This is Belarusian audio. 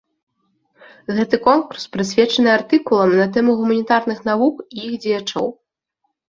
Гэты конкурс прысвечаны артыкулам на тэму гуманітарных навук і іх дзеячоў.